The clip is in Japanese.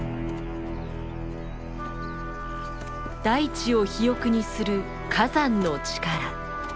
大地を肥沃にする火山の力。